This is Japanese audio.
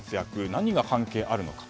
何が関係あるのか。